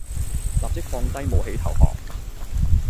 立即放低武器投降